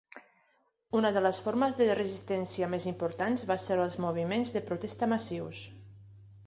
Una de les formes de resistència més importants va ser els moviments de protesta massius.